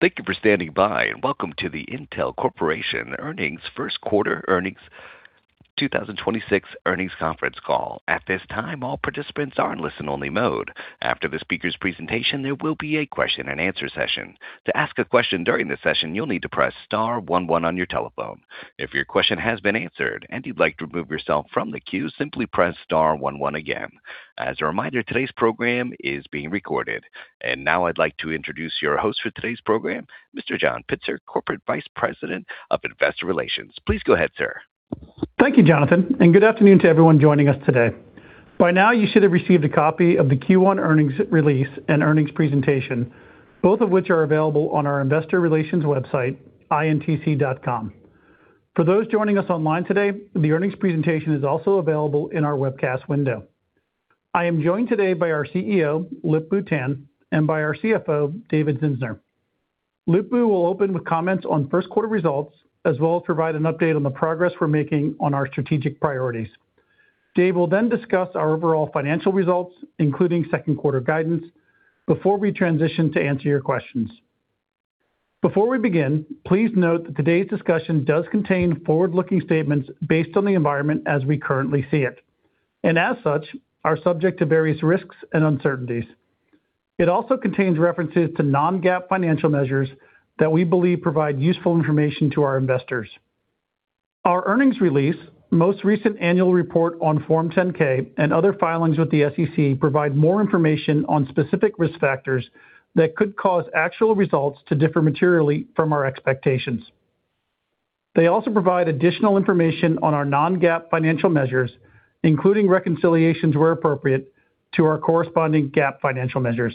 Thank you for standing by, and welcome to the Intel Corporation first quarter earnings 2026 earnings conference call. At this time, all participants are in listen-only mode. After the speaker's presentation, there will be a question and answer session. To ask a question during the session, you'll need to press star one one on your telephone. If your question has been answered and you'd like to remove yourself from the queue, simply press star one one again. As a reminder, today's program is being recorded. Now I'd like to introduce your host for today's program, Mr. John Pitzer, Corporate Vice President of Investor Relations. Please go ahead, sir. Thank you, Jonathan, and good afternoon to everyone joining us today. By now you should have received a copy of the Q1 earnings release and earnings presentation, both of which are available on our investor relations website, intc.com. For those joining us online today, the earnings presentation is also available in our webcast window. I am joined today by our CEO, Lip-Bu Tan, and by our CFO, David Zinsner. Lip-Bu will open with comments on first quarter results, as well as provide an update on the progress we're making on our strategic priorities. Dave will then discuss our overall financial results, including second quarter guidance, before we transition to answer your questions. Before we begin, please note that today's discussion does contain forward-looking statements based on the environment as we currently see it, and as such are subject to various risks and uncertainties. It also contains references to non-GAAP financial measures that we believe provide useful information to our investors. Our earnings release, most recent annual report on Form 10-K, and other filings with the SEC provide more information on specific risk factors that could cause actual results to differ materially from our expectations. They also provide additional information on our non-GAAP financial measures, including reconciliations where appropriate to our corresponding GAAP financial measures.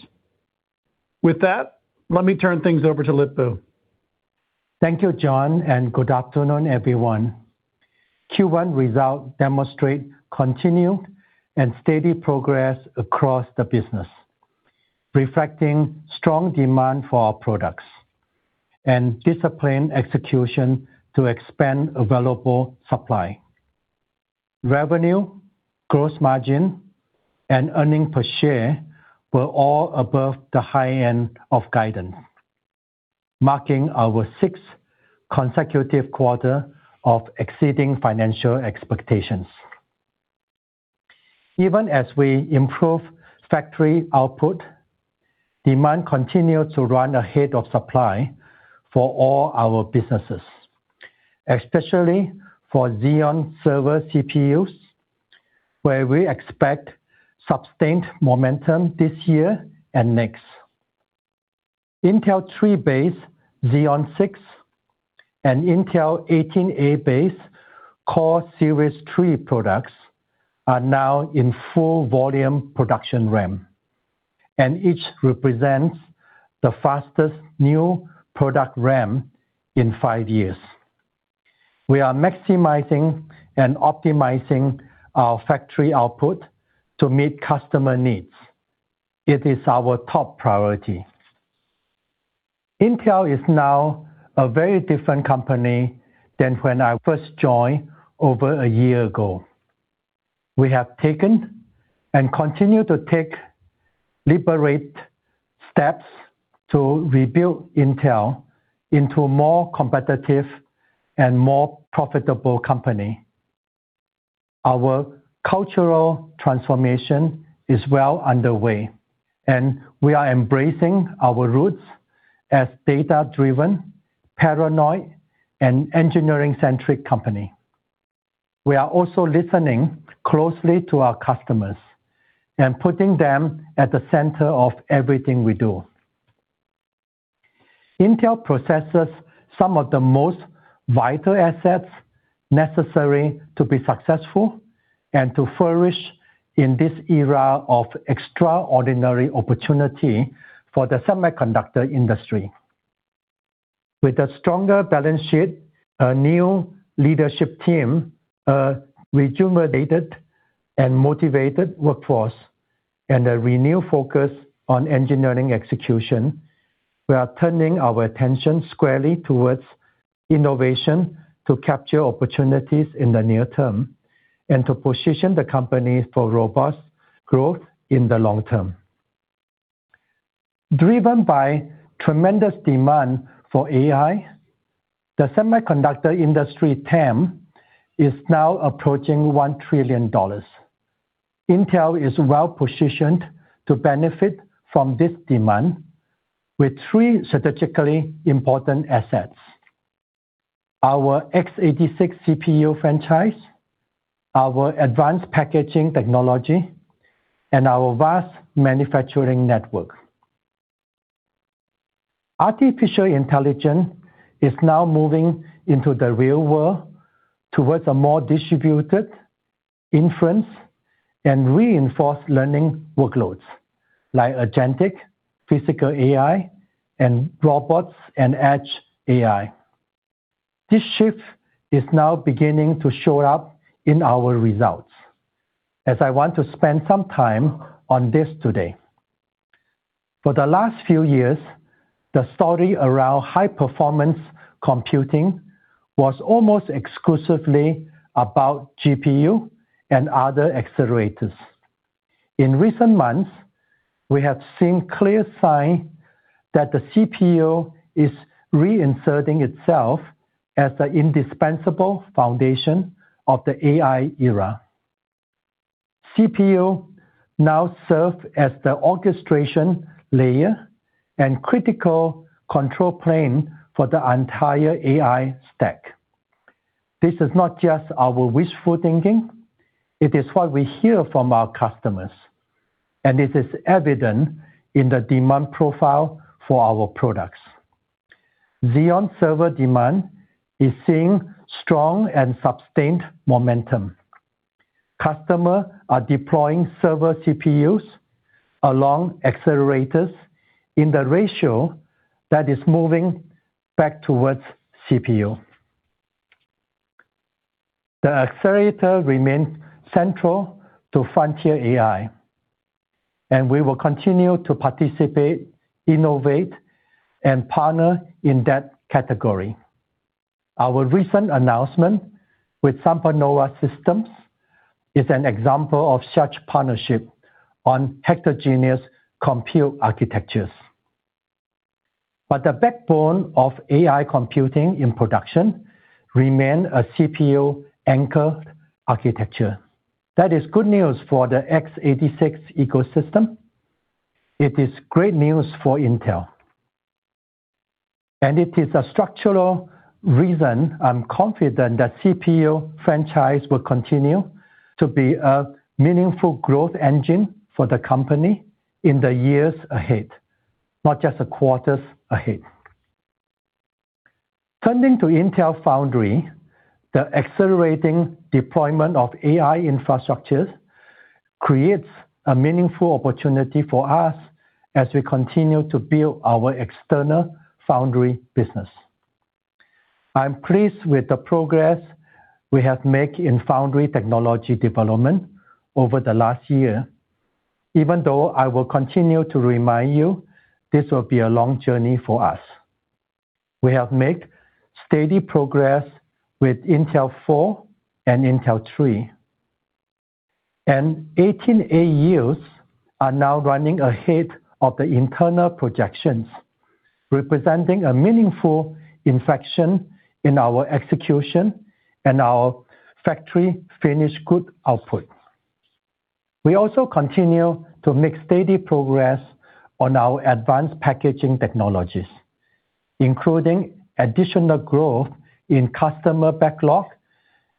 With that, let me turn things over to Lip-Bu. Thank you, John, and good afternoon, everyone. Q1 results demonstrate continued and steady progress across the business, reflecting strong demand for our products and disciplined execution to expand available supply. Revenue, gross margin, and earnings per share were all above the high end of guidance, marking our sixth consecutive quarter of exceeding financial expectations. Even as we improve factory output, demand continued to run ahead of supply for all our businesses, especially for Xeon server CPUs, where we expect sustained momentum this year and next. Intel 3-based Xeon 6 and Intel 18A-based Core Series 3 products are now in full volume production ramp, and each represents the fastest new product ramp in five years. We are maximizing and optimizing our factory output to meet customer needs. It is our top priority. Intel is now a very different company than when I first joined over a year ago. We have taken and continue to take deliberate steps to rebuild Intel into a more competitive and more profitable company. Our cultural transformation is well underway, and we are embracing our roots as data-driven, paranoid, and engineering-centric company. We are also listening closely to our customers and putting them at the center of everything we do. Intel possesses some of the most vital assets necessary to be successful and to flourish in this era of extraordinary opportunity for the semiconductor industry. With a stronger balance sheet, a new leadership team, a rejuvenated and motivated workforce, and a renewed focus on engineering execution, we are turning our attention squarely towards innovation to capture opportunities in the near term and to position the company for robust growth in the long term. Driven by tremendous demand for AI, the semiconductor industry TAM is now approaching $1 trillion. Intel is well positioned to benefit from this demand with three strategically important assets. Our x86 CPU franchise, our advanced packaging technology, and our vast manufacturing network. Artificial intelligence is now moving into the real world towards a more distributed inference and reinforcement learning workloads like agentic, physical AI, and robots and edge AI. This shift is now beginning to show up in our results, as I want to spend some time on this today. For the last few years, the story around high performance computing was almost exclusively about GPU and other accelerators. In recent months, we have seen clear signs that the CPU is reinserting itself as the indispensable foundation of the AI era. CPU now serves as the orchestration layer and critical control plane for the entire AI stack. This is not just our wishful thinking. It is what we hear from our customers, and it is evident in the demand profile for our products. Xeon server demand is seeing strong and sustained momentum. Customers are deploying server CPUs along accelerators in the ratio that is moving back towards CPU. The accelerator remains central to frontier AI, and we will continue to participate, innovate, and partner in that category. Our recent announcement with SambaNova Systems is an example of such partnership on heterogeneous compute architectures. The backbone of AI computing in production remains a CPU anchor architecture. That is good news for the x86 ecosystem. It is great news for Intel. It is a structural reason I'm confident that CPU franchise will continue to be a meaningful growth engine for the company in the years ahead, not just the quarters ahead. Turning to Intel Foundry, the accelerating deployment of AI infrastructures creates a meaningful opportunity for us as we continue to build our external foundry business. I'm pleased with the progress we have made in foundry technology development over the last year, even though I will continue to remind you this will be a long journey for us. We have made steady progress with Intel 4 and Intel 3, and 18A yields are now running ahead of the internal projections, representing a meaningful inflection in our execution and our factory finished goods output. We also continue to make steady progress on our advanced packaging technologies, including additional growth in customer backlog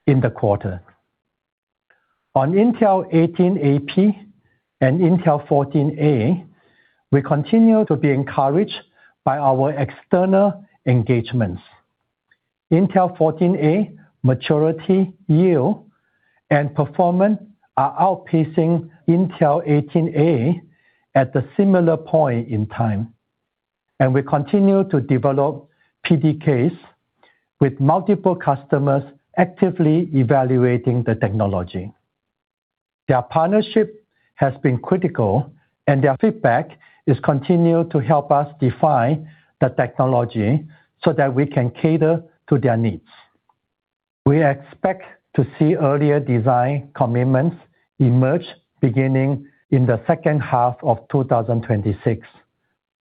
in the quarter. On Intel 18A-P and Intel 14A, we continue to be encouraged by our external engagements. Intel 14A maturity yield and performance are outpacing Intel 18A at a similar point in time, and we continue to develop PDKs with multiple customers actively evaluating the technology. Their partnership has been critical, and their feedback is continuing to help us define the technology so that we can cater to their needs. We expect to see earlier design commitments emerge beginning in the second half of 2026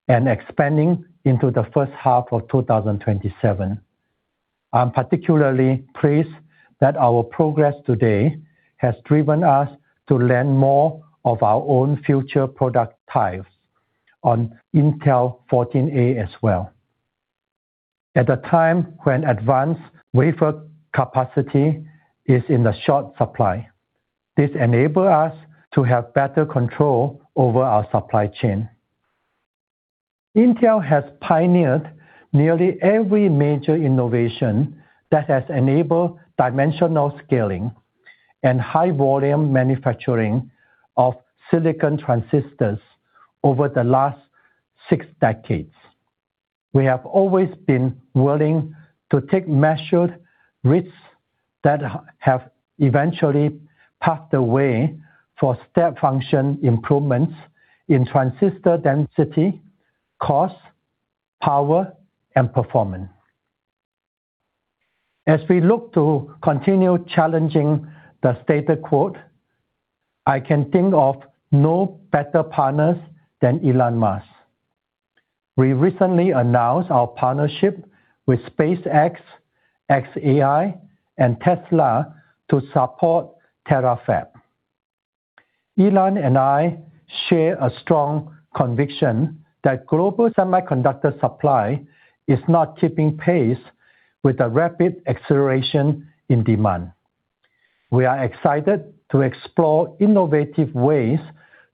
and expanding into the first half of 2027. I'm particularly pleased that our progress today has driven us to run more of our own future product types on Intel 14A as well. At the time when advanced wafer capacity is in a short supply, this enables us to have better control over our supply chain. Intel has pioneered nearly every major innovation that has enabled dimensional scaling and high volume manufacturing of silicon transistors over the last six decades. We have always been willing to take measured risks that have eventually paved the way for step function improvements in transistor density, cost, power, and performance. As we look to continue challenging the status quo, I can think of no better partners than Elon Musk. We recently announced our partnership with SpaceX, xAI, and Tesla to support Terafab. Elon and I share a strong conviction that global semiconductor supply is not keeping pace with the rapid acceleration in demand. We are excited to explore innovative ways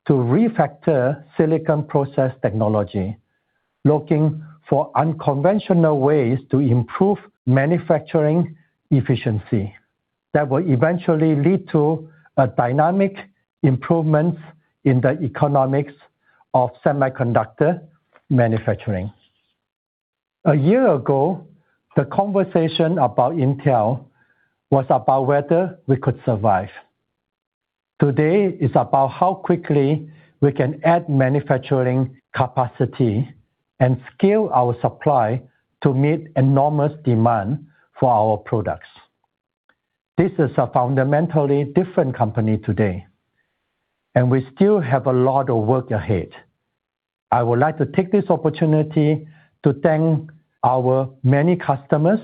to refactor silicon process technology, looking for unconventional ways to improve manufacturing efficiency that will eventually lead to a dynamic improvement in the economics of semiconductor manufacturing. A year ago, the conversation about Intel was about whether we could survive. Today is about how quickly we can add manufacturing capacity and scale our supply to meet enormous demand for our products. This is a fundamentally different company today, and we still have a lot of work ahead. I would like to take this opportunity to thank our many customers,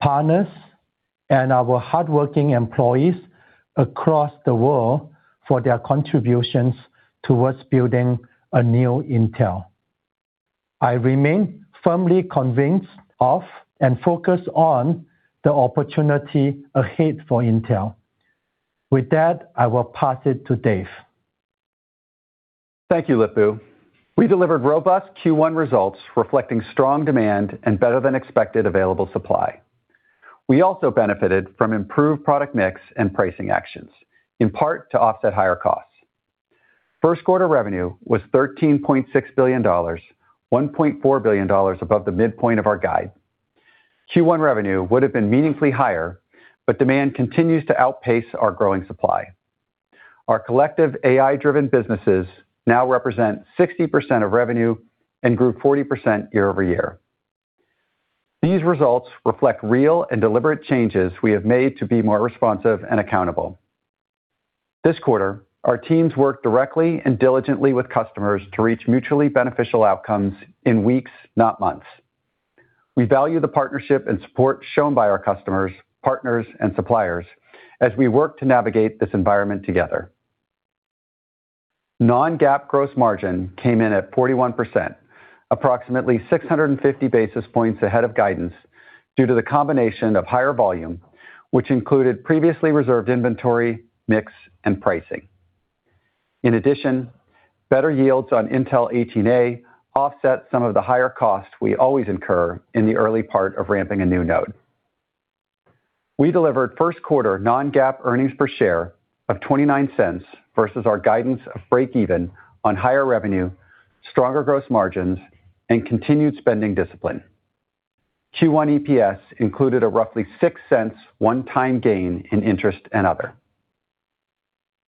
partners, and our hardworking employees across the world for their contributions towards building a new Intel. I remain firmly convinced of and focused on the opportunity ahead for Intel. With that, I will pass it to David. Thank you, Lip-Bu. We delivered robust Q1 results reflecting strong demand and better-than-expected available supply. We also benefited from improved product mix and pricing actions, in part to offset higher costs. First quarter revenue was $13.6 billion, $1.4 billion above the midpoint of our guide. Q1 revenue would have been meaningfully higher, but demand continues to outpace our growing supply. Our collective AI-driven businesses now represent 60% of revenue and grew 40% year-over-year. These results reflect real and deliberate changes we have made to be more responsive and accountable. This quarter, our teams worked directly and diligently with customers to reach mutually beneficial outcomes in weeks, not months. We value the partnership and support shown by our customers, partners, and suppliers as we work to navigate this environment together. Non-GAAP gross margin came in at 41%, approximately 650 basis points ahead of guidance due to the combination of higher volume, which included previously reserved inventory, mix, and pricing. In addition, better yields on Intel 18A offset some of the higher costs we always incur in the early part of ramping a new node. We delivered first quarter non-GAAP earnings per share of $0.29 versus our guidance of breakeven on higher revenue, stronger gross margins, and continued spending discipline. Q1 EPS included a roughly $0.06 one-time gain in interest and other.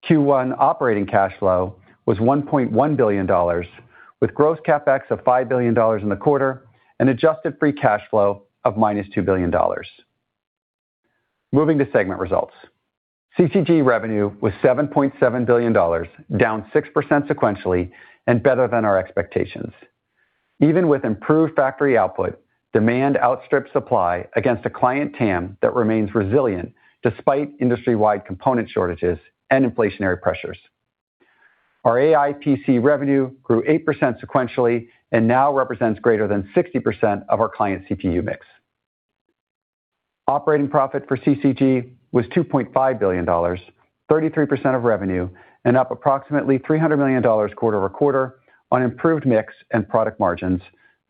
Q1 operating cash flow was $1.1 billion, with gross CapEx of $5 billion in the quarter and adjusted free cash flow of -$2 billion. Moving to segment results. CCG revenue was $7.7 billion, down 6% sequentially and better than our expectations. Even with improved factory output, demand outstripped supply against a client TAM that remains resilient despite industry-wide component shortages and inflationary pressures. Our AI PC revenue grew 8% sequentially and now represents greater than 60% of our client CPU mix. Operating profit for CCG was $2.5 billion, 33% of revenue, and up approximately $300 million quarter-over-quarter on improved mix and product margins,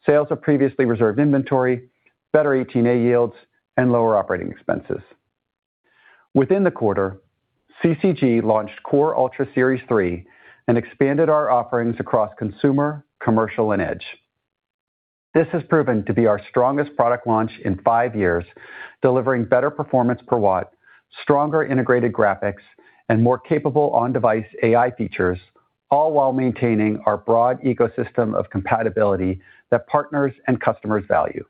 sales of previously reserved inventory, better 18A yields, and lower operating expenses. Within the quarter, CCG launched Core Ultra Series 3 and expanded our offerings across consumer, commercial, and edge. This has proven to be our strongest product launch in five years, delivering better performance per watt, stronger integrated graphics, and more capable on-device AI features, all while maintaining our broad ecosystem of compatibility that partners and customers value.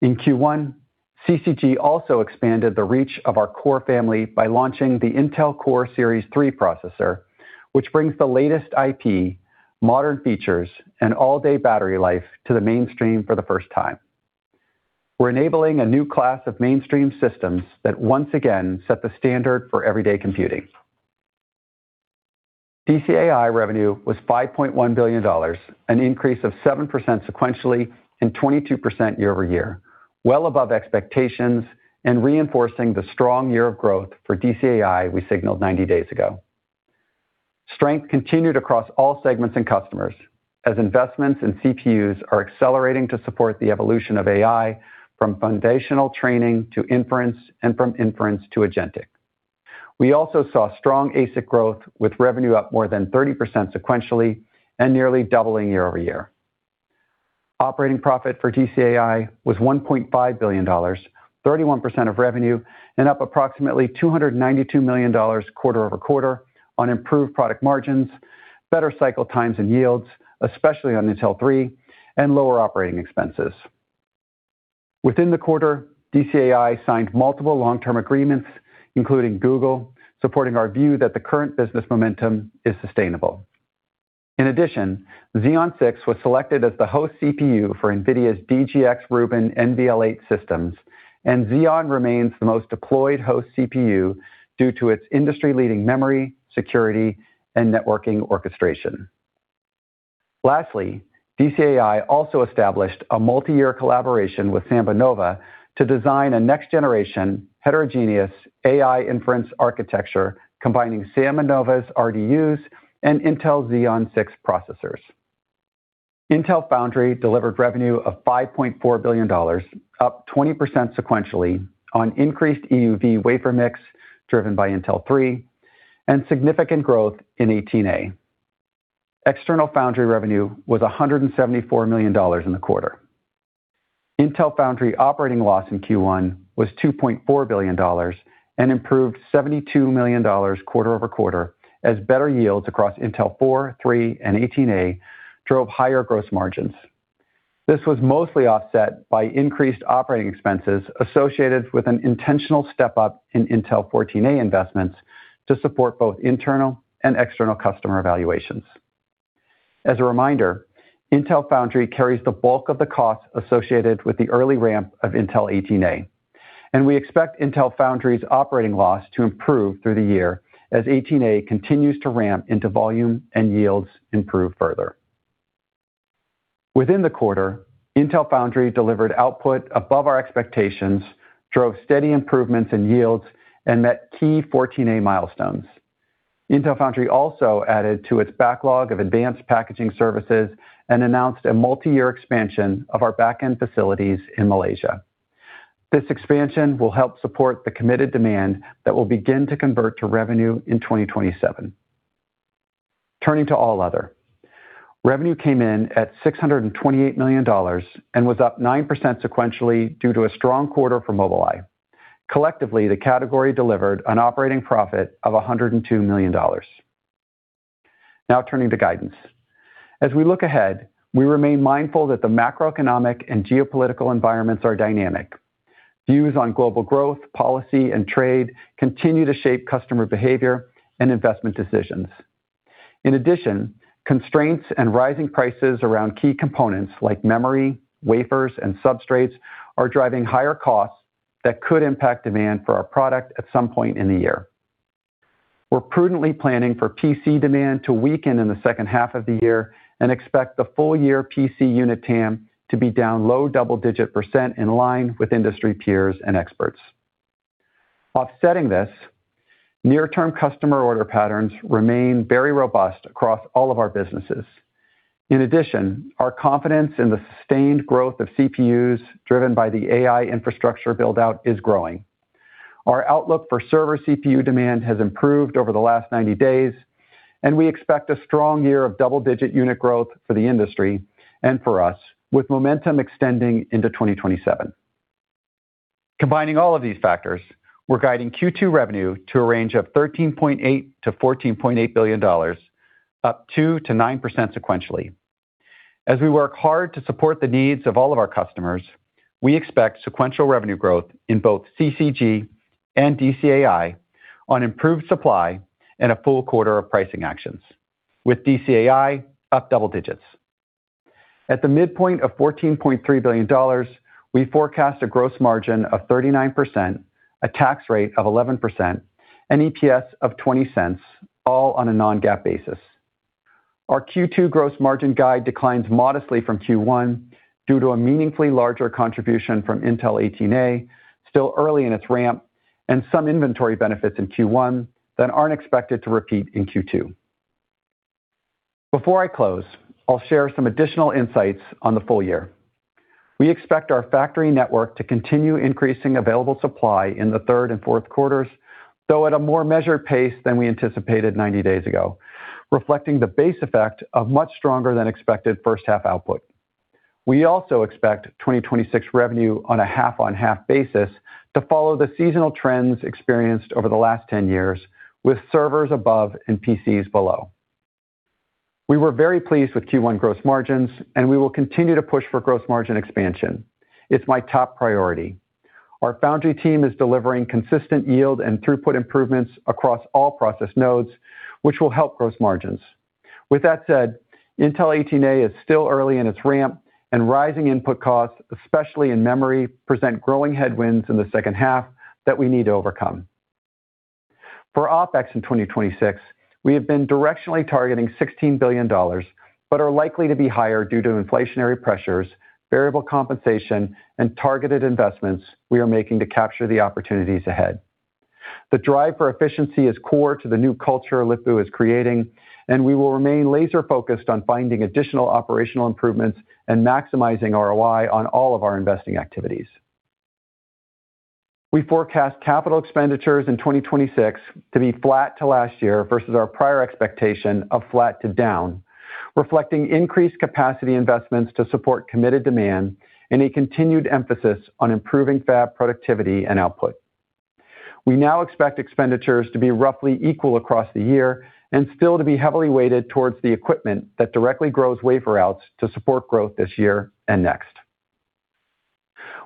In Q1, CCG also expanded the reach of our Core family by launching the Intel Core Series 3 processor, which brings the latest IP, modern features, and all-day battery life to the mainstream for the first time. We're enabling a new class of mainstream systems that once again set the standard for everyday computing. DCAI revenue was $5.1 billion, an increase of 7% sequentially and 22% year-over-year, well above expectations and reinforcing the strong year of growth for DCAI we signaled 90 days ago. Strength continued across all segments and customers as investments in CPUs are accelerating to support the evolution of AI from foundational training to inference and from inference to agentic. We also saw strong ASIC growth with revenue up more than 30% sequentially and nearly doubling year-over-year. Operating profit for DCAI was $1.5 billion, 31% of revenue, and up approximately $292 million quarter over quarter on improved product margins, better cycle times and yields, especially on Intel 3, and lower operating expenses. Within the quarter, DCAI signed multiple long-term agreements, including Google, supporting our view that the current business momentum is sustainable. In addition, Xeon 6 was selected as the host CPU for NVIDIA's DGX Rubin NVL8 systems, and Xeon remains the most deployed host CPU due to its industry-leading memory, security, and networking orchestration. Lastly, DCAI also established a multi-year collaboration with SambaNova to design a next-generation heterogeneous AI inference architecture combining SambaNova's RDUs and Intel Xeon 6 processors. Intel Foundry delivered revenue of $5.4 billion, up 20% sequentially on increased EUV wafer mix driven by Intel 3 and significant growth in 18A. External foundry revenue was $174 million in the quarter. Intel Foundry operating loss in Q1 was $2.4 billion and improved $72 million quarter-over-quarter as better yields across Intel 4, 3, and 18A drove higher gross margins. This was mostly offset by increased operating expenses associated with an intentional step-up in Intel 14A investments to support both internal and external customer evaluations. As a reminder, Intel Foundry carries the bulk of the costs associated with the early ramp of Intel 18A. We expect Intel Foundry's operating loss to improve through the year as 18A continues to ramp into volume and yields improve further. Within the quarter, Intel Foundry delivered output above our expectations, drove steady improvements in yields, and met key 14A milestones. Intel Foundry also added to its backlog of advanced packaging services and announced a multi-year expansion of our backend facilities in Malaysia. This expansion will help support the committed demand that will begin to convert to revenue in 2027. Turning to all other. Revenue came in at $628 million and was up 9% sequentially due to a strong quarter for Mobileye. Collectively, the category delivered an operating profit of $102 million. Now turning to guidance. As we look ahead, we remain mindful that the macroeconomic and geopolitical environments are dynamic. Views on global growth, policy, and trade continue to shape customer behavior and investment decisions. In addition, constraints and rising prices around key components like memory, wafers, and substrates are driving higher costs that could impact demand for our product at some point in the year. We're prudently planning for PC demand to weaken in the second half of the year and expect the full-year PC unit TAM to be down low double-digit % in line with industry peers and experts. Offsetting this, near-term customer order patterns remain very robust across all of our businesses. In addition, our confidence in the sustained growth of CPUs driven by the AI infrastructure build-out is growing. Our outlook for server CPU demand has improved over the last 90 days, and we expect a strong year of double-digit unit growth for the industry and for us, with momentum extending into 2027. Combining all of these factors, we're guiding Q2 revenue to a range of $13.8 billion-$14.8 billion, up 2%-9% sequentially. As we work hard to support the needs of all of our customers, we expect sequential revenue growth in both CCG and DCAI on improved supply and a full quarter of pricing actions, with DCAI up double digits. At the midpoint of $14.3 billion, we forecast a gross margin of 39%, a tax rate of 11%, and EPS of $0.20, all on a non-GAAP basis. Our Q2 gross margin guide declines modestly from Q1 due to a meaningfully larger contribution from Intel 18A, still early in its ramp, and some inventory benefits in Q1 that aren't expected to repeat in Q2. Before I close, I'll share some additional insights on the full year. We expect our factory network to continue increasing available supply in the third and fourth quarters, though at a more measured pace than we anticipated 90 days ago, reflecting the base effect of much stronger than expected first-half output. We also expect 2026 revenue on a half-on-half basis to follow the seasonal trends experienced over the last 10 years, with servers above and PCs below. We were very pleased with Q1 gross margins, and we will continue to push for gross margin expansion. It's my top priority. Our foundry team is delivering consistent yield and throughput improvements across all process nodes, which will help gross margins. With that said, Intel 18A is still early in its ramp, and rising input costs, especially in memory, present growing headwinds in the second half that we need to overcome. For OpEx in 2026, we have been directionally targeting $16 billion but are likely to be higher due to inflationary pressures, variable compensation, and targeted investments we are making to capture the opportunities ahead. Th e drive for efficiency is core to the new culture Lip-Bu is creating, and we will remain laser-focused on finding additional operational improvements and maximizing ROI on all of our investing activities. We forecast capital expenditures in 2026 to be flat to last year versus our prior expectation of flat to down, reflecting increased capacity investments to support committed demand and a continued emphasis on improving fab productivity and output. We now expect expenditures to be roughly equal across the year and still to be heavily weighted towards the equipment that directly grows wafer outs to support growth this year and next.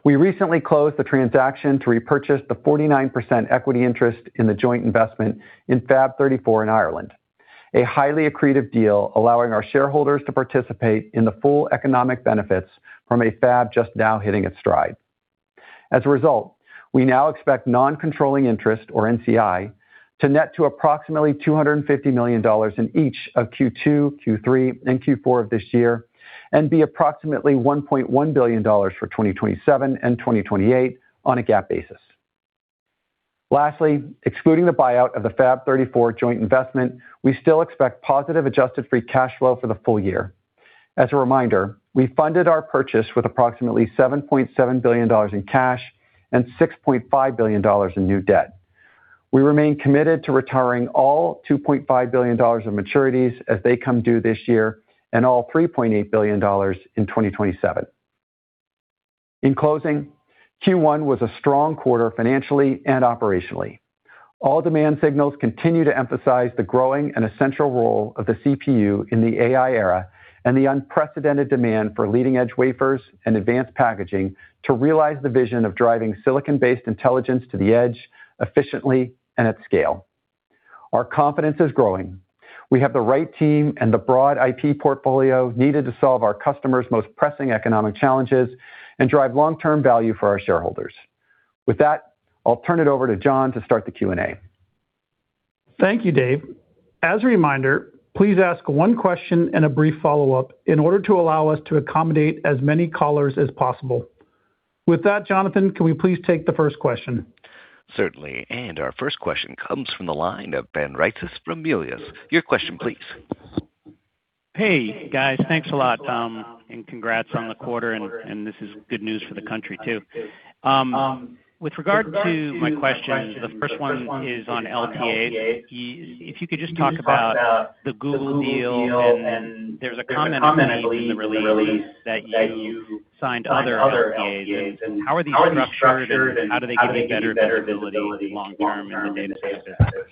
We recently closed the transaction to repurchase the 49% equity interest in the joint investment in Fab 34 in Ireland, a highly accretive deal allowing our shareholders to participate in the full economic benefits from a fab just now hitting its stride. As a result, we now expect non-controlling interest, or NCI, to net to approximately $250 million in each of Q2, Q3, and Q4 of this year and be approximately $1.1 billion for 2027 and 2028 on a GAAP basis. Lastly, excluding the buyout of the Fab 34 joint investment, we still expect positive adjusted free cash flow for the full year. As a reminder, we funded our purchase with approximately $7.7 billion in cash and $6.5 billion in new debt. We remain committed to retiring all $2.5 billion of maturities as they come due this year and all $3.8 billion in 2027. In closing, Q1 was a strong quarter financially and operationally. All demand signals continue to emphasize the growing and essential role of the CPU in the AI era and the unprecedented demand for leading-edge wafers and advanced packaging to realize the vision of driving silicon-based intelligence to the edge efficiently and at scale. Our confidence is growing. We have the right team and the broad IP portfolio needed to solve our customers' most pressing economic challenges and drive long-term value for our shareholders. With that, I'll turn it over to John to start the Q&A. Thank you, Dave. As a reminder, please ask one question and a brief follow-up in order to allow us to accommodate as many callers as possible. With that, Jonathan, can we please take the first question? Certainly. Our first question comes from the line of Ben Reitzes from Melius. Your question, please. Hey, guys. Thanks a lot. Congrats on the quarter, and this is good news for the country too. With regard to my question, the first one is on LTAs. If you could just talk about the Google deal, and there's a comment, I believe, in the release that you signed other LTAs, and how are these structured, and how do they give you better visibility long-term in the data center?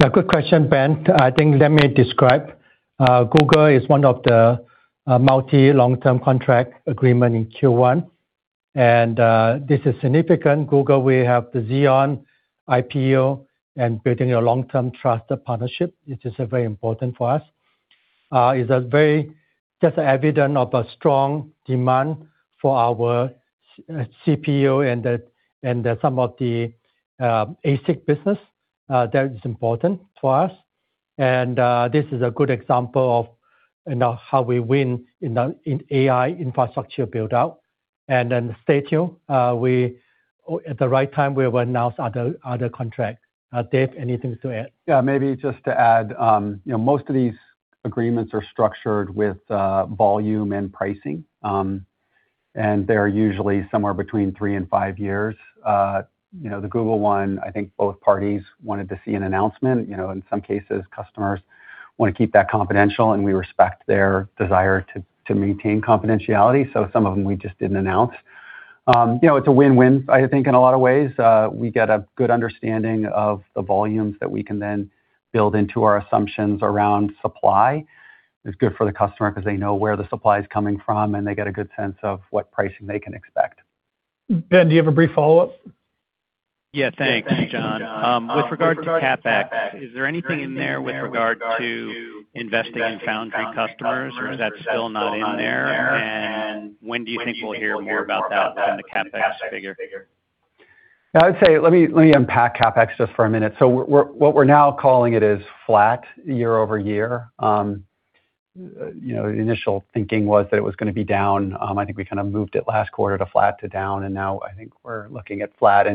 Yeah, good question, Ben. I think, let me describe. Google is one of the major long-term contract agreements in Q1, and this is significant. Google, we have the Xeon IPU and building a long-term trusted partnership, which is very important for us. It is a very good evidence of a strong demand for our CPU and some of the ASIC business. That is important to us. This is a good example of how we win in AI infrastructure build-out. Stay tuned. At the right time, we will announce other contract. Dave, anything to add? Yeah, maybe just to add, most of these agreements are structured with volume and pricing. They're usually somewhere between three and five years. The Google one, I think both parties wanted to see an announcement. In some cases, customers want to keep that confidential, and we respect their desire to maintain confidentiality. Some of them we just didn't announce. It's a win-win, I think, in a lot of ways. We get a good understanding of the volumes that we can then build into our assumptions around supply. It's good for the customer because they know where the supply is coming from, and they get a good sense of what pricing they can expect. Ben, do you have a brief follow-up? Yeah. Thanks, John. With regard to CapEx, is there anything in there with regard to investing in foundry customers, or is that still not in there? When do you think we'll hear more about that within the CapEx figure? I would say, let me unpack CapEx just for a minute. What we're now calling it is flat year-over-year. The initial thinking was that it was going to be down. I think we kind of moved it last quarter to flat to down, and now I think we're looking at flat.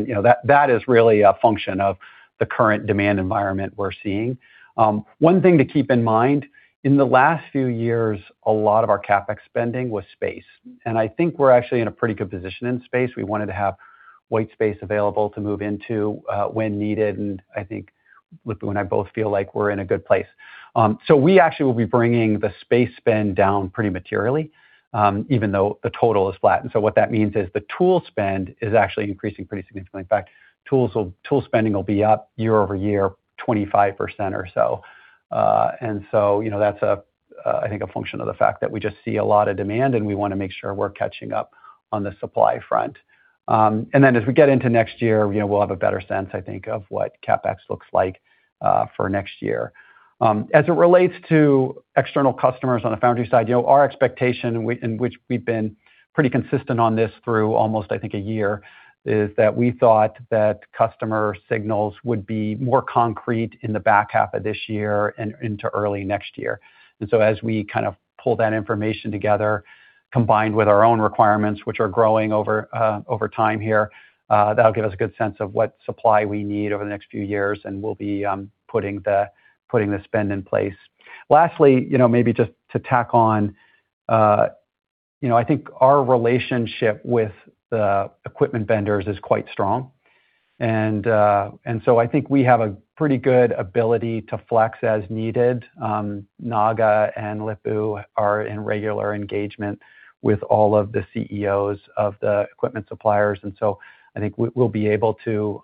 That is really a function of the current demand environment we're seeing. One thing to keep in mind, in the last few years, a lot of our CapEx spending was space. I think we're actually in a pretty good position in space. We wanted to have white space available to move into, when needed, and I think Lip-Bu and I both feel like we're in a good place. We actually will be bringing the space spend down pretty materially, even though the total is flat. What that means is the tool spend is actually increasing pretty significantly. In fact, tool spending will be up year-over-year 25% or so. That's, I think, a function of the fact that we just see a lot of demand, and we want to make sure we're catching up on the supply front. As we get into next year, we'll have a better sense, I think, of what CapEx looks like for next year. As it relates to external customers on the foundry side, our expectation, in which we've been pretty consistent on this through almost, I think, a year, is that we thought that customer signals would be more concrete in the back half of this year and into early next year. as we kind of pull that information together, combined with our own requirements, which are growing over time here, that'll give us a good sense of what supply we need over the next few years, and we'll be putting the spend in place. Lastly, maybe just to tack on, I think our relationship with the equipment vendors is quite strong. I think we have a pretty good ability to flex as needed. Naga and Lip-Bu are in regular engagement with all of the CEOs of the equipment suppliers. I think we'll be able to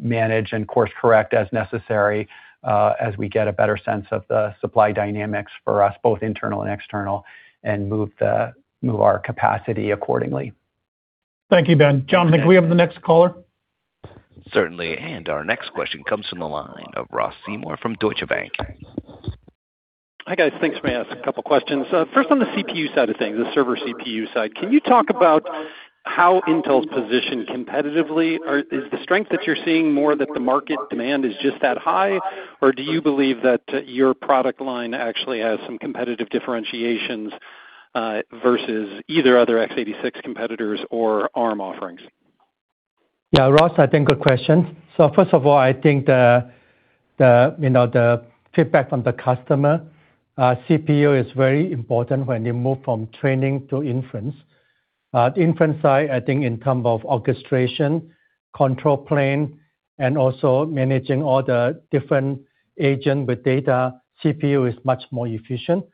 manage and course correct as necessary, as we get a better sense of the supply dynamics for us, both internal and external, and move our capacity accordingly. Thank you, Ben. Jonathan, can we have the next caller? Certainly. Our next question comes from the line of Ross Seymore from Deutsche Bank. Hi, guys. Thanks. May I ask a couple questions? First on the CPU side of things, the server CPU side. Can you talk about how Intel's positioned competitively? Is the strength that you're seeing more that the market demand is just that high, or do you believe that your product line actually has some competitive differentiations, versus either other x86 competitors or Arm offerings? Yeah, Ross, I think it's a good question. First of all, I think the feedback from the customers, CPU is very important when they move from training to inference. The inference side, I think in terms of orchestration, control plane, and also managing all the different agents with data, CPU is much more efficient.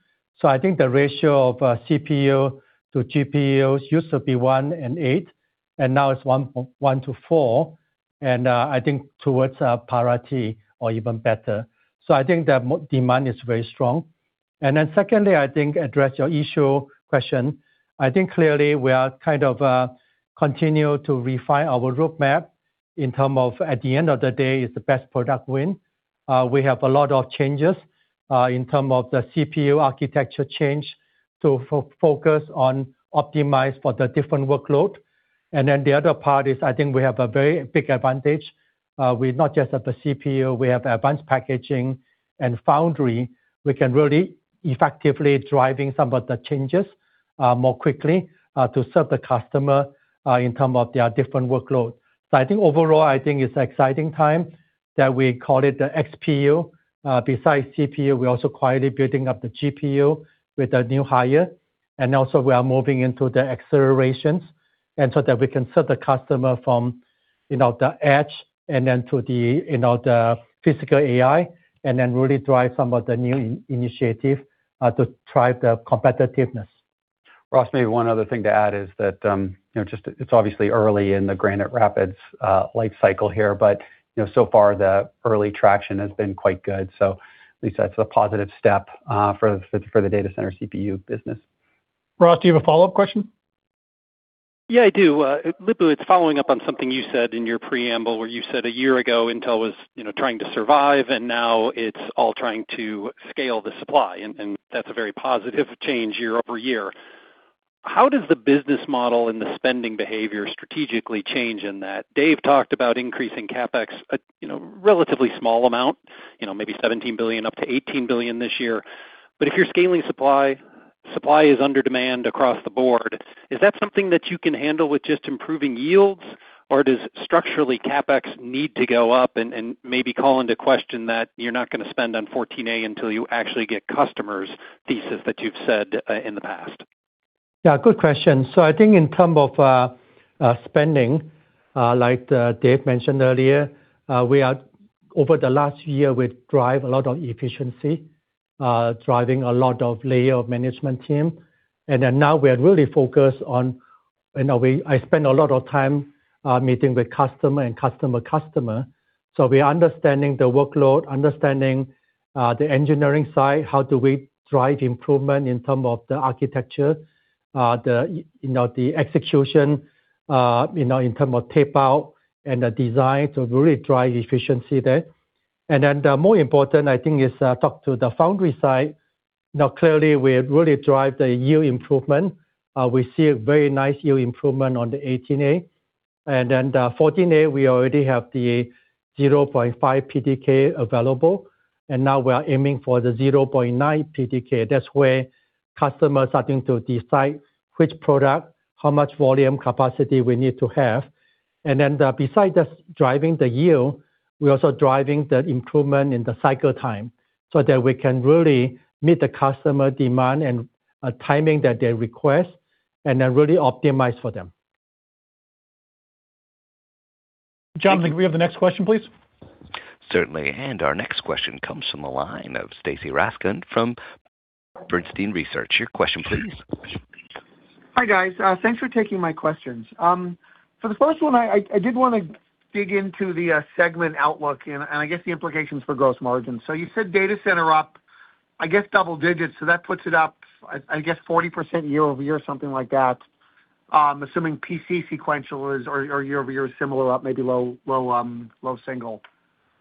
I think the ratio of CPU to GPUs used to be one and eight, and now it's one to four, and I think towards parity or even better. I think the demand is very strong. Then secondly, I think address your question. I think clearly we continue to refine our roadmap in terms of, at the end of the day, it's the best product win. We have a lot of changes in terms of the CPU architecture change to focus on optimizing for the different workloads. The other part is, I think we have a very big advantage with not just the CPU, we have advanced packaging and foundry. We can really effectively driving some of the changes more quickly to serve the customer in terms of their different workload. I think overall, I think it's exciting time that we call it the XPU. Besides CPU, we're also quietly building up the GPU with a new hire. We are moving into the accelerators, and so that we can serve the customer from the edge and then to the physical AI, and then really drive some of the new initiative to drive the competitiveness. Ross, maybe one other thing to add is that it's obviously early in the Granite Rapids life cycle here. So far, the early traction has been quite good. At least that's a positive step for the data center CPU business. Ross, do you have a follow-up question? Yeah, I do. Lip-Bu, it's following up on something you said in your preamble where you said a year ago Intel was trying to survive, and now it's all trying to scale the supply, and that's a very positive change year-over-year. How does the business model and the spending behavior strategically change in that? Dave talked about increasing CapEx a relatively small amount, maybe $17 billion-$18 billion this year. But if you're scaling supply is under demand across the board, is that something that you can handle with just improving yields? Or does structurally CapEx need to go up and maybe call into question that you're not going to spend on 14A until you actually get customers' thesis that you've said in the past? Yeah, good question. I think in terms of spending, like Dave mentioned earlier, over the last year, we drive a lot of efficiency, driving a lot of layers out of the management team. Now we are really focused on. I spend a lot of time meeting with customers. We are understanding the workload, understanding the engineering side, how do we drive improvement in terms of the architecture, the execution in terms of tape out and the design to really drive efficiency there. The more important, I think, is talk to the foundry side. Now clearly, we really drive the yield improvement. We see a very nice yield improvement on the 18A. The 14A, we already have the 0.5 PDK available, and now we are aiming for the 0.9 PDK. That's where customers starting to decide which product, how much volume capacity we need to have. Besides just driving the yield, we're also driving the improvement in the cycle time so that we can really meet the customer demand and timing that they request and then really optimize for them. Jonathan, can we have the next question, please? Certainly. Our next question comes from the line of Stacy Rasgon from Bernstein Research. Your question please. Hi, guys. Thanks for taking my questions. For the first one, I did want to dig into the segment outlook and I guess the implications for gross margin. You said data center up, I guess double digits. That puts it up, I guess 14% year-over-year, something like that. I'm assuming PC sequential is or year-over-year is similar up maybe low single.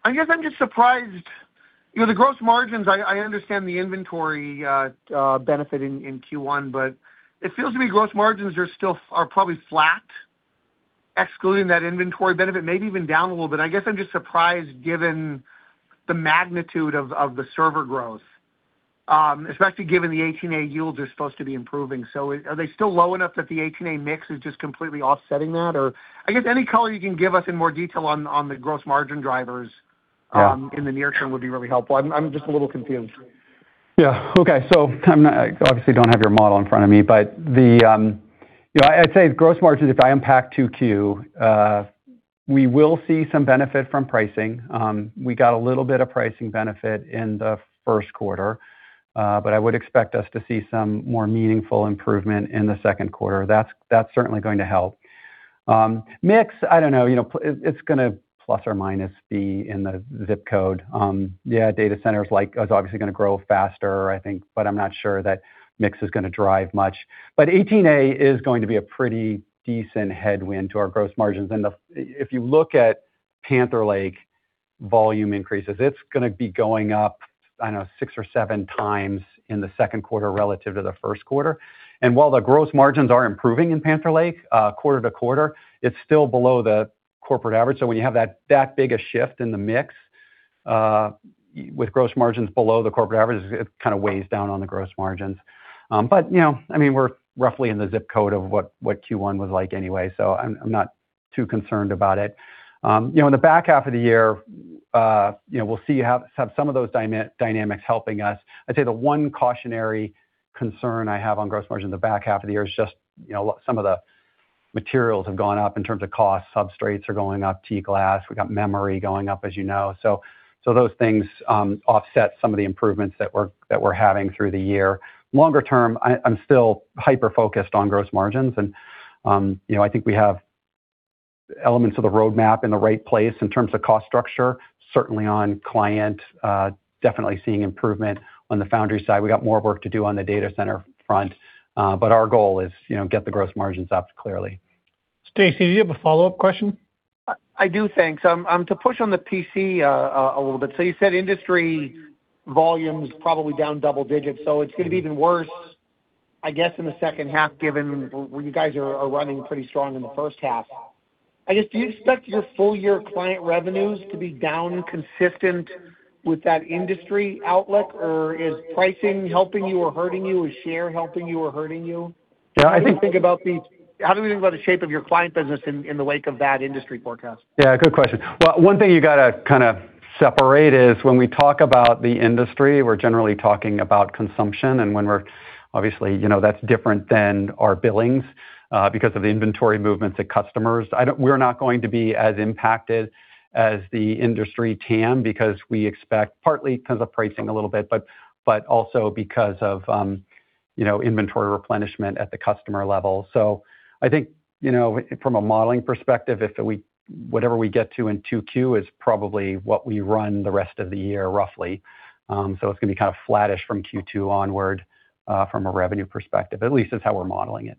I guess I'm just surprised, the gross margins. I understand the inventory benefit in Q1, but it feels to me gross margins are probably flat, excluding that inventory benefit, maybe even down a little bit. I guess I'm just surprised given the magnitude of the server growth, especially given the 18A yields are supposed to be improving. Are they still low enough that the 18A mix is just completely offsetting that? I guess any color you can give us in more detail on the gross margin drivers in the near term would be really helpful. I'm just a little confused. Yeah. Okay. I obviously don't have your model in front of me, but I'd say gross margins, if I unpack 2Q, we will see some benefit from pricing. We got a little bit of pricing benefit in the first quarter, but I would expect us to see some more meaningful improvement in the second quarter. That's certainly going to help. Mix, I don't know. It's going to plus or minus be in the ZIP code. Yeah, data center is obviously going to grow faster, I think, but I'm not sure that mix is going to drive much. 18A is going to be a pretty decent headwind to our gross margins. If you look at Panther Lake volume increases, it's going to be going up, I don't know, 6x or 7x in the second quarter relative to the first quarter. While the gross margins are improving in Panther Lake quarter to quarter, it's still below the corporate average. When you have that big a shift in the mix with gross margins below the corporate average, it kind of weighs down on the gross margins. We're roughly in the ZIP code of what Q1 was like anyway, so I'm not too concerned about it. In the back half of the year, we'll see some of those dynamics helping us. I'd say the one cautionary concern I have on gross margin in the back half of the year is just some of the materials have gone up in terms of cost, substrates are going up, T-glass, we've got memory going up, as you know. Those things offset some of the improvements that we're having through the year. Longer term, I'm still hyper-focused on gross margins and I think we have elements of the roadmap in the right place in terms of cost structure, certainly on client, definitely seeing improvement. On the foundry side, we got more work to do on the data center front, but our goal is to get the gross margins up, clearly. Stacy, do you have a follow-up question? I do. Thanks. To push on the PC a little bit. You said industry volume's probably down double digits, so it's going to be even worse, I guess, in the second half, given where you guys are running pretty strong in the first half. I guess, do you expect your full year client revenues to be down consistent with that industry outlook? Or is pricing helping you or hurting you? Is share helping you or hurting you? Yeah, I think. How do we think about the shape of your client business in the wake of that industry forecast? Yeah, good question. Well, one thing you got to kind of separate is when we talk about the industry, we're generally talking about consumption and when we're obviously, that's different than our billings, because of the inventory movements at customers. We're not going to be as impacted as the industry can, because we expect partly because of pricing a little bit, but also because of inventory replenishment at the customer level. I think, from a modeling perspective, if whatever we get to in 2Q is probably what we run the rest of the year, roughly. It's going to be kind of flattish from Q2 onward, from a revenue perspective. At least that's how we're modeling it.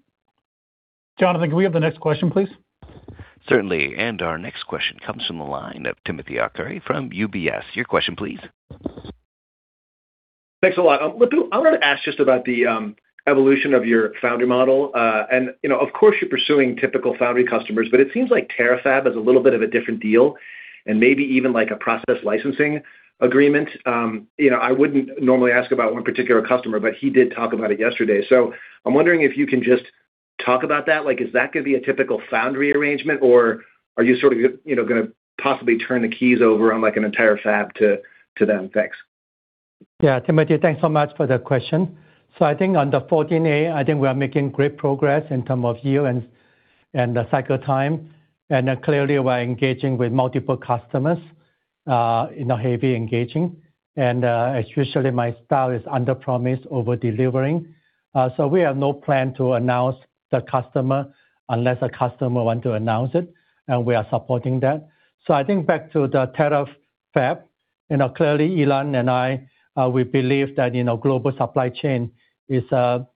Jonathan, can we have the next question, please? Certainly. Our next question comes from the line of Timothy Arcuri from UBS. Your question, please. Thanks a lot. I wanted to ask just about the evolution of your foundry model. Of course, you're pursuing typical foundry customers, but it seems like Terafab is a little bit of a different deal and maybe even like a process licensing agreement. I wouldn't normally ask about one particular customer, but he did talk about it yesterday. I'm wondering if you can just talk about that. Is that going to be a typical foundry arrangement or are you sort of going to possibly turn the keys over on an entire fab to them? Thanks. Yeah. Timothy, thanks so much for the question. I think on the 14A, I think we are making great progress in terms of yield and the cycle time. Clearly, we're engaging with multiple customers, heavily engaging. As usual my style is under promise, over delivering. We have no plan to announce the customer unless the customer want to announce it, and we are supporting that. I think back to the Terafab, clearly Elon and I, we believe that global supply chain is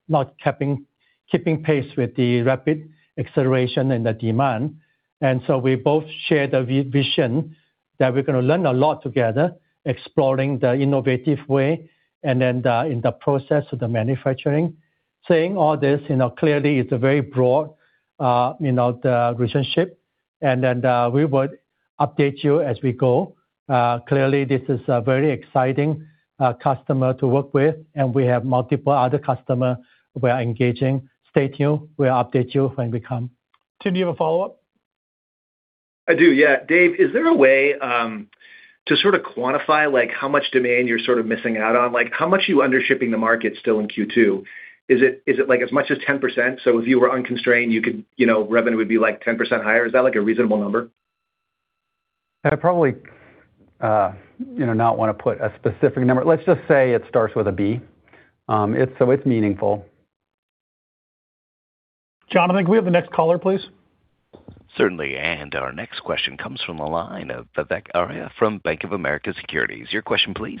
not keeping pace with the rapid acceleration and the demand. We both share the vision that we're going to learn a lot together, exploring the innovative way and then the, in the process of the manufacturing. Saying all this, clearly it's a very broad relationship and then, we would update you as we go. Clearly this is a very exciting customer to work with and we have multiple other customer we are engaging. Stay tuned. We'll update you when we can. Tim, do you have a follow-up? I do, yeah. David, is there a way to sort of quantify how much demand you're sort of missing out on? How much are you under shipping the market still in Q2? Is it as much as 10%? If you were unconstrained, revenue would be 10% higher. Is that a reasonable number? I'd probably not want to put a specific number. Let's just say it starts with a B. So it's meaningful. Jonathan, can we have the next caller, please? Certainly. Our next question comes from the line of Vivek Arya from Bank of America Securities. Your question, please.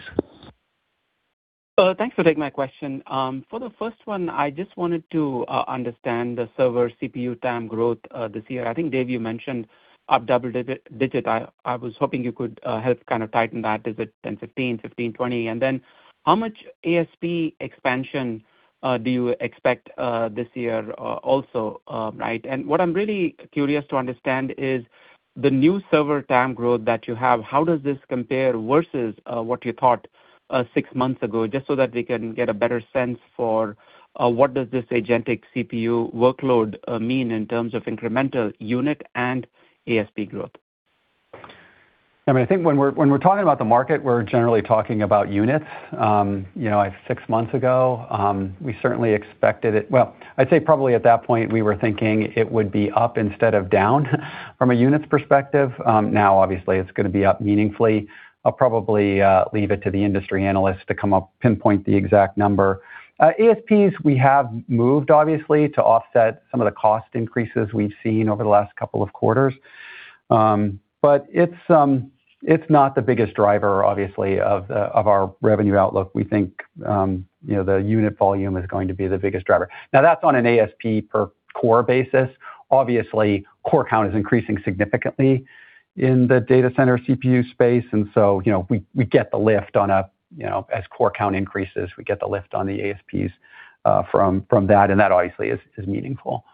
Thanks for taking my question. For the first one, I just wanted to understand the server CPU TAM growth this year. I think, Dave, you mentioned up double-digit. I was hoping you could help kind of tighten that. Is it 10%, 15%, 15%, 20%? And then how much ASP expansion do you expect this year also? And what I'm really curious to understand is the new server TAM growth that you have, how does this compare versus what you thought six months ago, just so that we can get a better sense for what does this agentic CPU workload mean in terms of incremental unit and ASP growth? I think when we're talking about the market, we're generally talking about units. Six months ago, we certainly expected it. Well, I'd say probably at that point we were thinking it would be up instead of down from a units perspective. Now obviously it's going to be up meaningfully. I'll probably leave it to the industry analysts to come up, pinpoint the exact number. ASPs, we have moved obviously to offset some of the cost increases we've seen over the last couple of quarters. But it's not the biggest driver, obviously of our revenue outlook. We think the unit volume is going to be the biggest driver. Now that's on an ASP per core basis. Obviously core count is increasing significantly in the data center CPU space, and so we get the lift as core count increases. We get the lift on the ASPs from that, and that obviously is meaningful.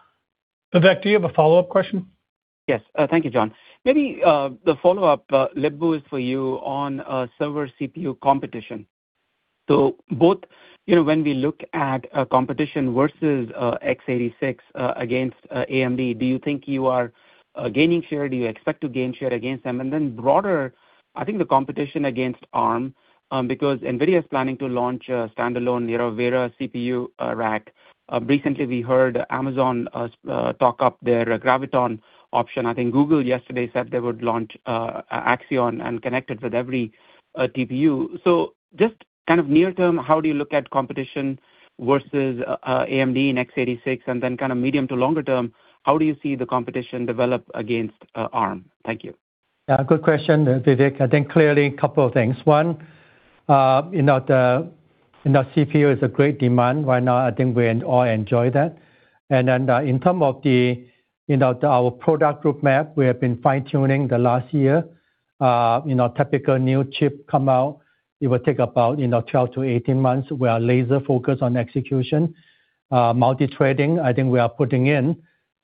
Vivek, do you have a follow-up question? Yes. Thank you, John. Maybe the follow-up, Lip-Bu is for you on server CPU competition. Both when we look at a competition versus x86 against AMD, do you think you are gaining share? Do you expect to gain share against them? Then broader, I think the competition against Arm, because NVIDIA is planning to launch a standalone Vera CPU rack. Recently, we heard Amazon talk up their Graviton option. I think Google yesterday said they would launch Axion and connect it with every TPU. Just near term, how do you look at competition versus AMD and x86, and then medium to longer term, how do you see the competition develop against Arm? Thank you. Yeah. Good question, Vivek. I think clearly a couple of things. One, the CPU is in great demand right now. I think we all enjoy that. In terms of our product roadmap, we have been fine-tuning the last year. Typically, a new chip comes out, it will take about 12 to 18 months. We are laser-focused on execution. Multithreading, I think we are putting in,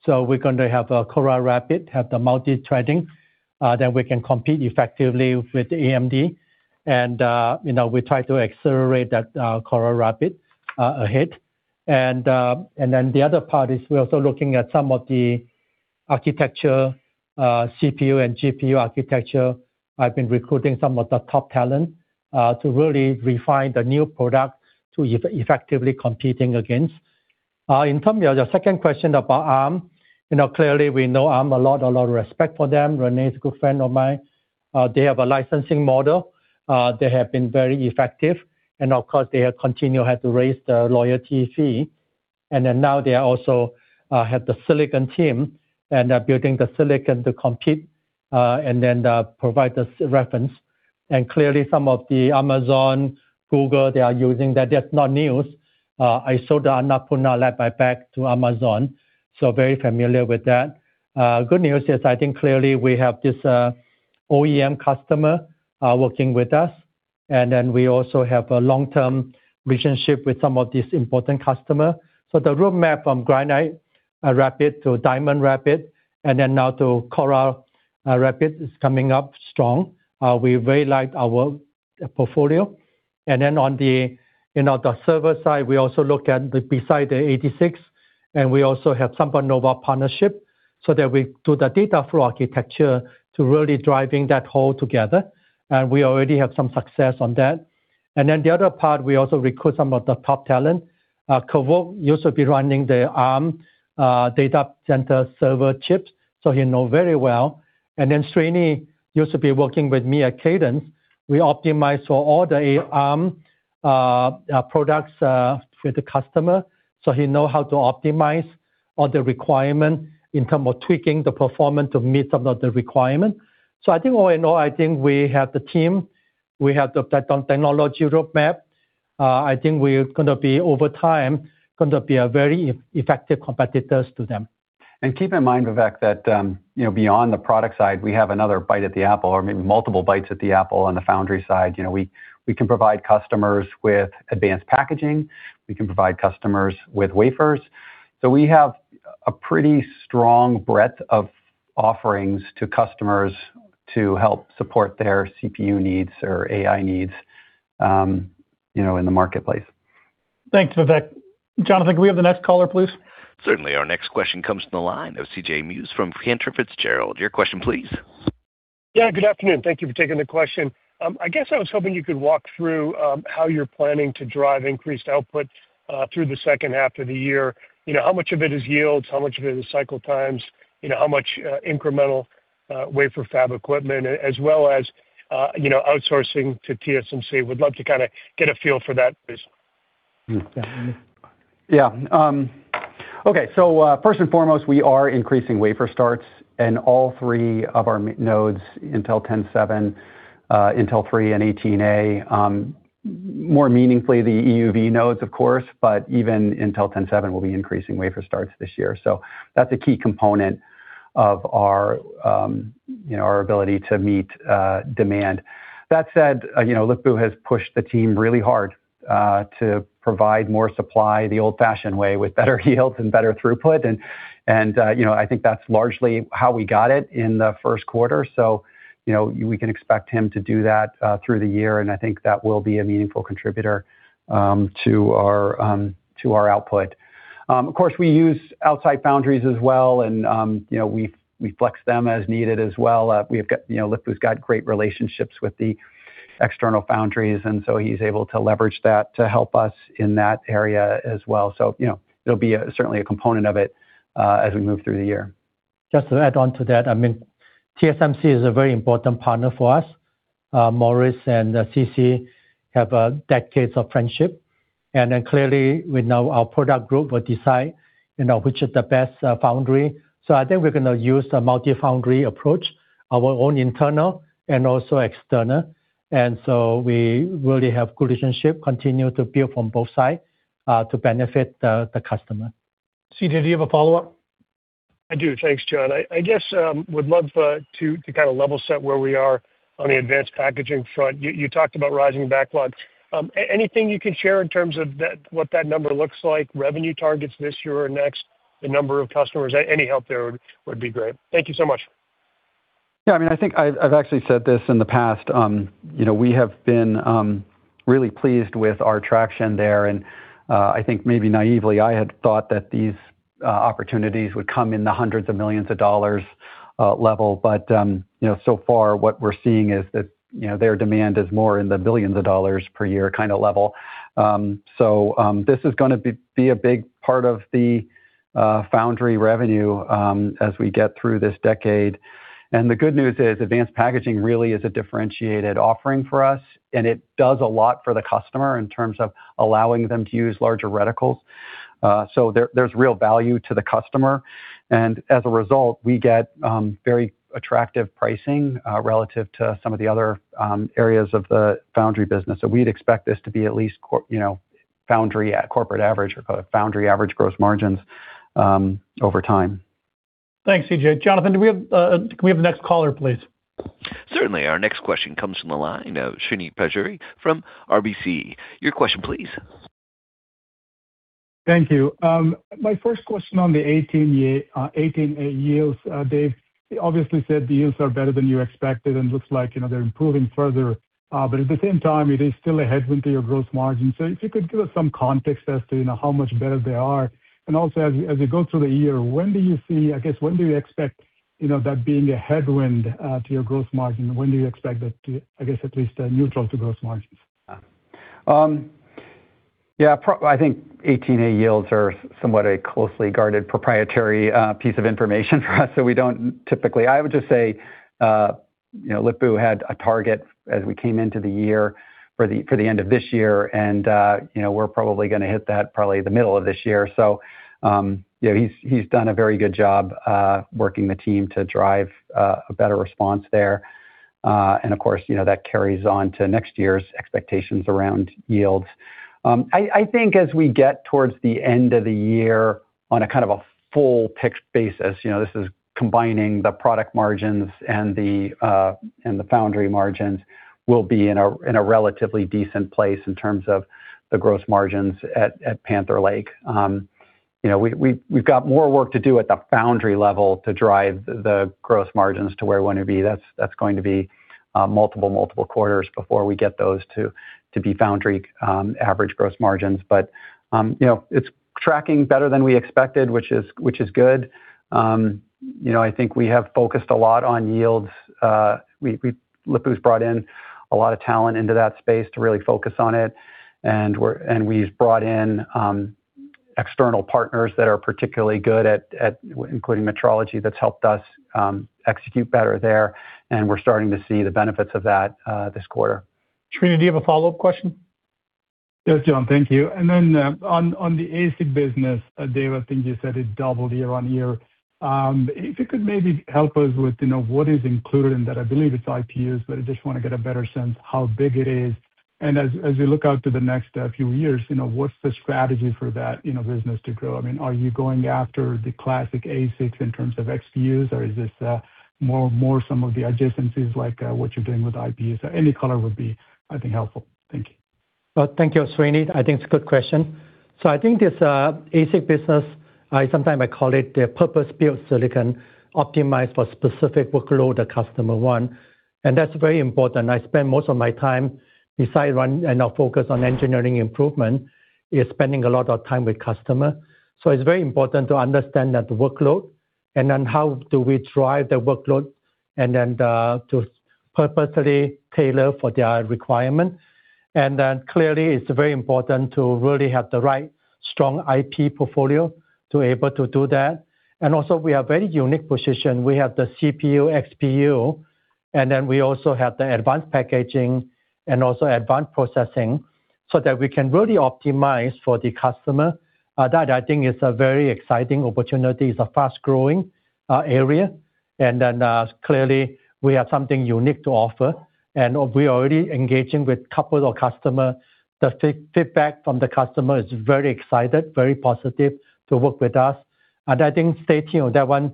so we're going to have Coral Rapids have the multithreading, then we can compete effectively with AMD. We try to accelerate that Coral Rapids ahead. The other part is we're also looking at some of the CPU and GPU architecture. I've been recruiting some of the top talent to really refine the new product to effectively compete against. In terms of your second question about Arm, clearly we know Arm a lot. A lot of respect for them. Rene's a good friend of mine. They have a licensing model. They have been very effective. Of course, they continue to have to raise the loyalty fee. Now they also have the silicon team, and they're building the silicon to compete, and then provide us reference. Clearly, some of Amazon, Google, they are using that. That's not news. I sold the Annapurna Labs back to Amazon, so very familiar with that. Good news is, I think clearly we have this OEM customer working with us, and then we also have a long-term relationship with some of these important customer. The roadmap from Granite Rapids to Diamond Rapids, and then now to Coral Rapids is coming up strong. We very much like our portfolio. On the server side, we also look at besides the x86, and we also have SambaNova partnership, so that we do the dataflow architecture to really driving that whole together. We already have some success on that. The other part, we also recruit some of the top talent. Kevork used to be running the Arm data center server chips, so he know very well. Srini used to be working with me at Cadence. We optimize for all the Arm products with the customer, so he know how to optimize all the requirement in terms of tweaking the performance to meet some of the requirement. I think all in all, I think we have the team, we have the technology roadmap. I think we're, over time, going to be a very effective competitors to them. Keep in mind, Vivek, that beyond the product side, we have another bite at the apple or maybe multiple bites at the apple on the foundry side. We can provide customers with advanced packaging. We can provide customers with wafers. We have a pretty strong breadth of offerings to customers to help support their CPU needs or AI needs in the marketplace. Thanks, Vivek. Jonathan, can we have the next caller, please? Certainly. Our next question comes from the line of C.J. Muse from Cantor Fitzgerald. Your question please. Yeah, good afternoon. Thank you for taking the question. I guess I was hoping you could walk through how you're planning to drive increased output through the second half of the year. How much of it is yields, how much of it is cycle times, how much incremental wafer fab equipment as well as outsourcing to TSMC. Would love to get a feel for that, please. Yeah. Okay. First and foremost, we are increasing wafer starts in all three of our nodes, Intel 7, Intel 3, and Intel 18A. More meaningfully, the EUV nodes, of course, but even Intel 7 will be increasing wafer starts this year. That's a key component of our ability to meet demand. That said, Lip-Bu has pushed the team really hard to provide more supply the old-fashioned way with better yields and better throughput. I think that's largely how we got it in the first quarter. We can expect him to do that through the year, and I think that will be a meaningful contributor to our output. Of course, we use outside foundries as well, and we flex them as needed as well. Lip-Bu's got great relationships with the external foundries, and so he's able to leverage that to help us in that area as well. It'll be certainly a component of it as we move through the year. Just to add on to that, TSMC is a very important partner for us. Morris and CC have decades of friendship. Clearly, our product group will decide which is the best foundry. I think we're going to use a multi-foundry approach, our own internal and also external. We really have good relationship, continue to build from both sides to benefit the customer. C.J., do you have a follow-up? I do. Thanks, John. I just would love to level set where we are on the advanced packaging front. You talked about rising backlog. Anything you can share in terms of what that number looks like, revenue targets this year or next, the number of customers? Any help there would be great. Thank you so much. Yeah, I think I've actually said this in the past. We have been really pleased with our traction there, and I think maybe naively, I had thought that these opportunities would come in the hundreds of millions of dollars level. So far what we're seeing is that their demand is more in the billions of dollars per year kind of level. This is going to be a big part of the foundry revenue as we get through this decade. The good news is advanced packaging really is a differentiated offering for us, and it does a lot for the customer in terms of allowing them to use larger reticles. There's real value to the customer. As a result, we get very attractive pricing relative to some of the other areas of the foundry business. We'd expect this to be at least Foundry corporate average or Foundry average gross margins over time. Thanks, C.J. Jonathan, can we have the next caller, please? Certainly. Our next question comes from the line of Srini Pajjuri from RBC. Your question, please. Thank you. My first question on the 18A yields, Dave. You obviously said the yields are better than you expected, and looks like they're improving further. At the same time, it is still a headwind to your gross margin. If you could give us some context as to how much better they are. Also, as you go through the year, I guess, when do you expect that being a headwind to your gross margin? When do you expect that to, I guess, at least neutral to gross margins? Yeah. I think 18A yields are somewhat a closely guarded proprietary piece of information for us, so we don't typically. I would just say Lip-Bu had a target as we came into the year for the end of this year, and we're probably going to hit that the middle of this year. He's done a very good job working the team to drive a better response there. Of course, that carries on to next year's expectations around yields. I think as we get towards the end of the year on a kind of a full ticked basis, this is combining the product margins and the foundry margins will be in a relatively decent place in terms of the gross margins at Panther Lake. We've got more work to do at the foundry level to drive the gross margins to where we want to be. That's going to be multiple quarters before we get those to be foundry average gross margins. It's tracking better than we expected, which is good. I think we have focused a lot on yields. Lip-Bu Tan's brought in a lot of talent into that space to really focus on it. We've brought in external partners that are particularly good at including metrology that's helped us execute better there, and we're starting to see the benefits of that this quarter. Srini, do you have a follow-up question? Yes, John. Thank you. On the ASIC business, Dave, I think you said it doubled year-over-year. If you could maybe help us with what is included in that. I believe it's IPUs, but I just want to get a better sense how big it is. As you look out to the next few years, what's the strategy for that business to grow? Are you going after the classic ASICs in terms of XPUs, or is this more some of the adjacencies like what you're doing with IPUs? Any color would be, I think, helpful. Thank you. Well, thank you, Srini. I think it's a good question. I think this ASIC business, sometimes I call it the purpose-built silicon optimized for specific workload a customer want, and that's very important. I spend most of my time, besides running and now focus on engineering improvement, is spending a lot of time with customer. It's very important to understand that workload, and then how do we drive the workload, and then to purposely tailor for their requirement. Clearly, it's very important to really have the right strong IP portfolio to able to do that. We are very unique position. We have the CPU, XPU, and then we also have the advanced packaging and also advanced processing so that we can really optimize for the customer. That I think is a very exciting opportunity. It's a fast-growing area. Clearly, we have something unique to offer. We are already engaging with a couple of customers. The feedback from the customers is very exciting, very positive to work with us, and I think stay tuned on that one.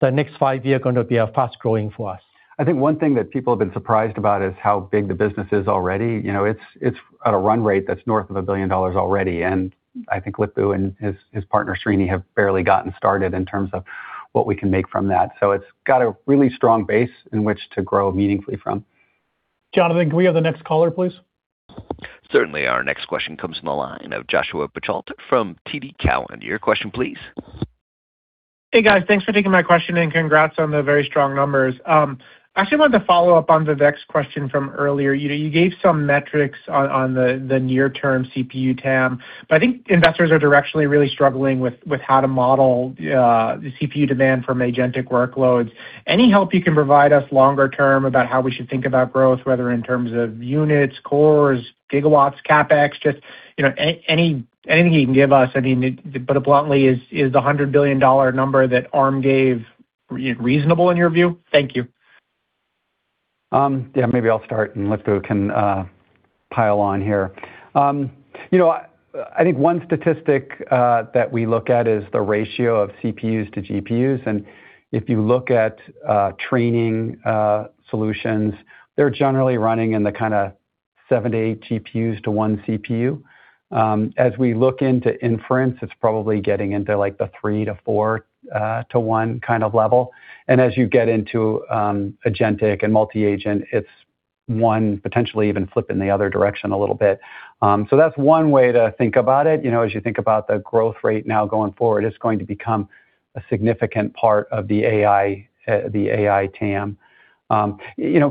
The next five years are going to be fast-growing for us. I think one thing that people have been surprised about is how big the business is already. It's at a run rate that's north of $1 billion already, and I think Lip-Bu and his partner, Srini, have barely gotten started in terms of what we can make from that. It's got a really strong base in which to grow meaningfully from. Jonathan, can we have the next caller, please? Certainly. Our next question comes from the line of Joshua Buchalter from TD Cowen. Your question please. Hey, guys. Thanks for taking my question, and congrats on the very strong numbers. I actually wanted to follow up on Vivek's question from earlier. You gave some metrics on the near term CPU TAM, but I think investors are directionally really struggling with how to model the CPU demand from agentic workloads. Any help you can provide us longer term about how we should think about growth, whether in terms of units, cores, gigawatts, CapEx, just anything you can give us? I mean, to put it bluntly, is the $100 billion number that ARM gave reasonable in your view? Thank you. Yeah, maybe I'll start, and Lip-Bu Tan can pile on here. I think one statistic that we look at is the ratio of CPUs to GPUs. If you look at training solutions, they're generally running in the kind of seven to eight GPUs to one CPU. As we look into inference, it's probably getting into the three to four to one kind of level. As you get into agentic and multi-agent, it's one potentially even flip in the other direction a little bit. That's one way to think about it. As you think about the growth rate now going forward, it's going to become a significant part of the AI TAM.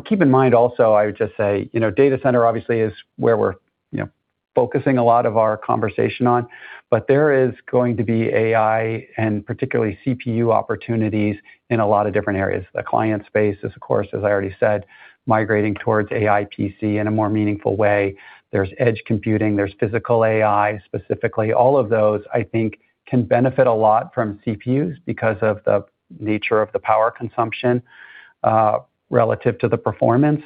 Keep in mind also, I would just say, data center obviously is where we're focusing a lot of our conversation on, but there is going to be AI and particularly CPU opportunities in a lot of different areas. The client space is, of course, as I already said, migrating towards AI PC in a more meaningful way. There's edge computing, there's physical AI, specifically. All of those, I think, can benefit a lot from CPUs because of the nature of the power consumption relative to the performance.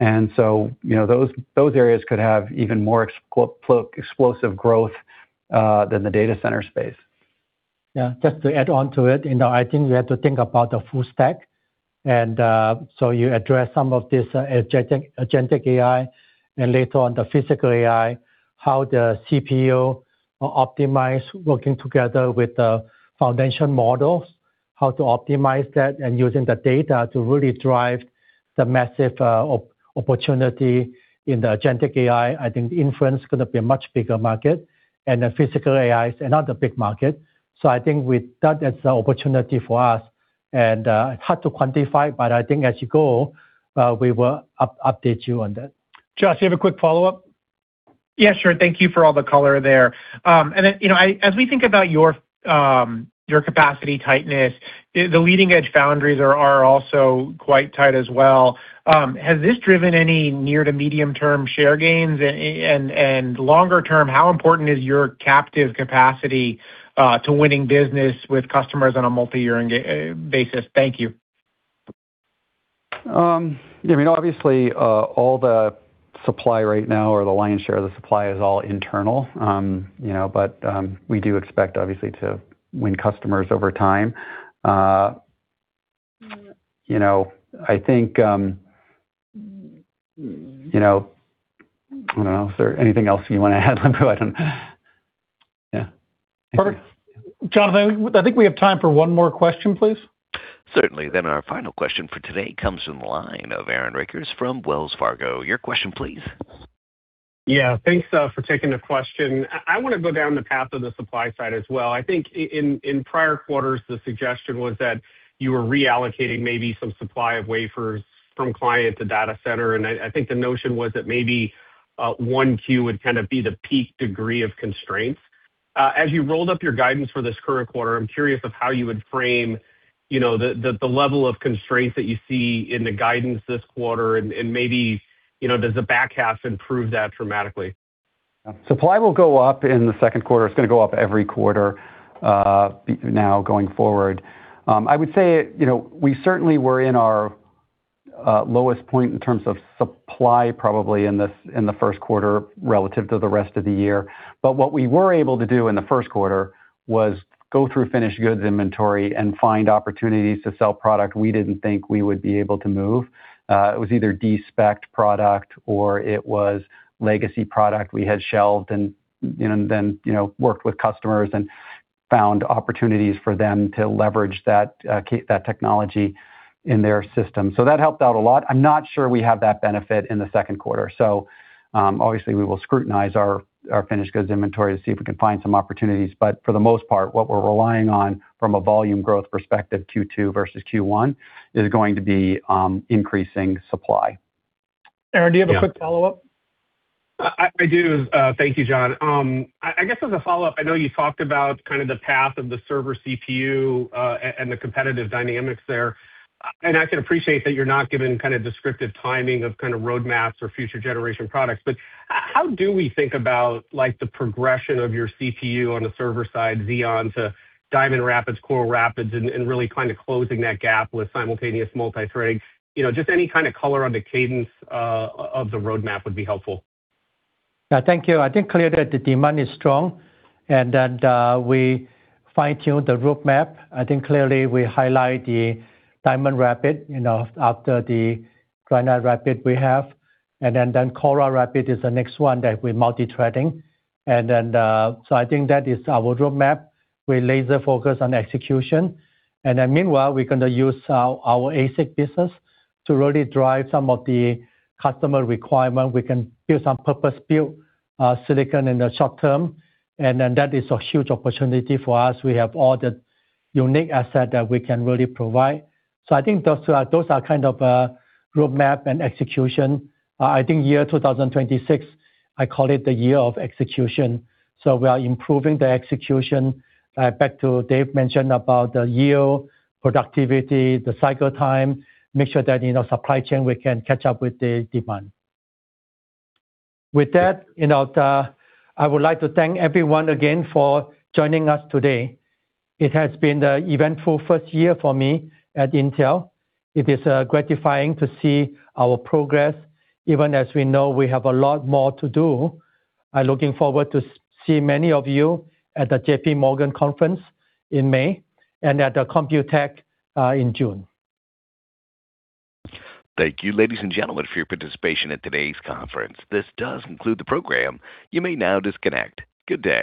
Those areas could have even more explosive growth than the data center space. Yeah. Just to add on to it, I think we have to think about the full stack. You address some of this agentic AI and later on the physical AI, how the CPU optimize working together with the foundation models, how to optimize that and using the data to really drive the massive opportunity in the agentic AI. I think the inference is going to be a much bigger market, and the physical AI is another big market. I think with that's the opportunity for us and hard to quantify, but I think as you go, we will update you on that. Josh, you have a quick follow-up? Yeah, sure. Thank you for all the color there. As we think about your capacity tightness, the leading-edge foundries are also quite tight as well. Has this driven any near to medium-term share gains? Longer-term, how important is your captive capacity to winning business with customers on a multi-year basis? Thank you. Obviously, all the supply right now or the lion's share of the supply is all internal. We do expect, obviously, to win customers over time. I think, I don't know. Is there anything else you want to add, Lip-Bu? I don't. Yeah. Jonathan, I think we have time for one more question, please. Certainly. Our final question for today comes from the line of Aaron Rakers from Wells Fargo. Your question, please. Yeah. Thanks for taking the question. I want to go down the path of the supply side as well. I think in prior quarters, the suggestion was that you were reallocating maybe some supply of wafers from client to data center. I think the notion was that maybe 1Q would be the peak degree of constraints. As you rolled up your guidance for this current quarter, I'm curious of how you would frame the level of constraints that you see in the guidance this quarter and, maybe, does the back half improve that dramatically? Supply will go up in the second quarter. It's going to go up every quarter now going forward. I would say, we certainly were in our lowest point in terms of supply, probably in the first quarter relative to the rest of the year. What we were able to do in the first quarter was go through finished goods inventory and find opportunities to sell product we didn't think we would be able to move. It was either de-spec'd product or it was legacy product we had shelved and then worked with customers and found opportunities for them to leverage that technology in their system. That helped out a lot. I'm not sure we have that benefit in the second quarter. Obviously, we will scrutinize our finished goods inventory to see if we can find some opportunities. For the most part, what we're relying on from a volume growth perspective, Q2 versus Q1 is going to be increasing supply. Aaron, do you have a quick follow-up? I do. Thank you, John. I guess as a follow-up, I know you talked about the path of the server CPU, and the competitive dynamics there. I can appreciate that you're not giving descriptive timing of roadmaps or future generation products, but how do we think about the progression of your CPU on the server side, Xeon to Diamond Rapids, Coral Rapids, and really closing that gap with simultaneous multithreading? Just any kind of color on the cadence of the roadmap would be helpful. Yeah. Thank you. I think it's clear that the demand is strong and that we fine-tune the roadmap. I think clearly we highlight the Diamond Rapids after the Granite Rapids we have. Coral Rapids is the next one that with multithreading. I think that is our roadmap. We laser focus on execution. Meanwhile, we're going to use our ASIC business to really drive some of the customer requirement. We can build some purpose-built silicon in the short term, and that is a huge opportunity for us. We have all the unique asset that we can really provide. I think those are kind of a roadmap and execution. I think year 2026, I call it the year of execution. We are improving the execution. Back to what David mentioned about the yield, productivity, the cycle time to make sure that the supply chain we can catch up with the demand. With that, I would like to thank everyone again for joining us today. It has been an eventful first year for me at Intel. It is gratifying to see our progress, even as we know we have a lot more to do. I'm looking forward to seeing many of you at the JP Morgan conference in May and at the Computex in June. Thank you, ladies and gentlemen, for your participation in today's conference. This does conclude the program. You may now disconnect. Good day.